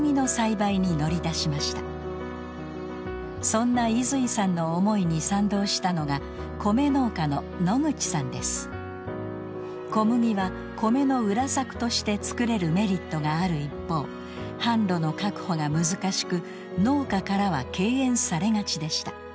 そんな出井さんの思いに賛同したのが小麦はコメの裏作として作れるメリットがある一方販路の確保が難しく農家からは敬遠されがちでした。